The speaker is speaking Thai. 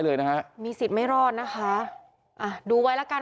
เลยนะฮะมีสิทธิ์ไม่รอดนะคะอ่ะดูไว้แล้วกัน